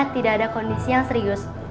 tidak ada kondisi yang serius